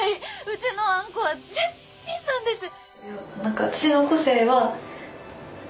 うちのあんこは絶品なんです。